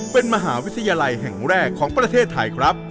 เป็นมหาวิทยาลัยแห่งแรกของประเทศไทยครับ